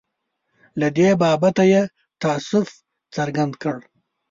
له دې بابته یې تأسف څرګند کړ.